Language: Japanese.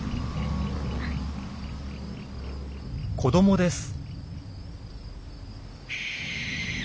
子どもです。